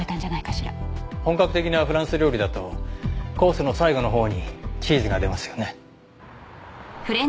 本格的なフランス料理だとコースの最後のほうにチーズが出ますよね。